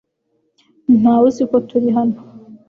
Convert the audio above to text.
Ntawe uzi ko turi hano .